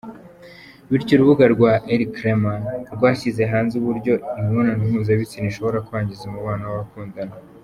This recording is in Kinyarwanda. bityo urubuga rwa elcrema rwashyize hanze uburyo imibonano mpuzabitsina ishobora kwangiza umubano w’abakundana.